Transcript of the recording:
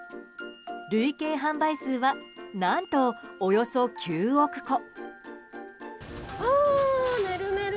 累計販売数は何とおよそ９億個。